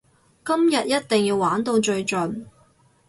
今日一定要玩到最盡！